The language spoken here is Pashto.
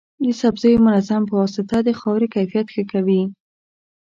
د سبزیو منظم پواسطه د خاورې کیفیت ښه کوي.